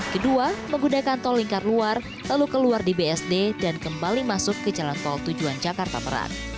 kedua menggunakan tol lingkar luar lalu keluar di bsd dan kembali masuk ke jalan tol tujuan jakarta merak